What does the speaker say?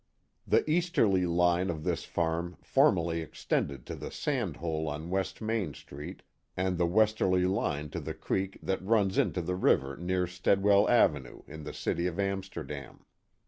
The easterly line of this farm formerly extended to the sand hole on West Main Street and the westerly line to the creek that runs into the river near Steadwell Avenue in the city of Amsterdam.